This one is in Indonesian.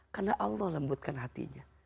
karena allah lembutkan hatinya